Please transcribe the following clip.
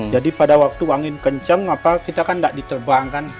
jadi pada waktu angin kencang kita kan tidak diterbangkan